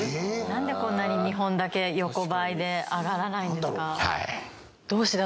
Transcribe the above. なんでこんなに日本だけ横ばいで上がらないんですか？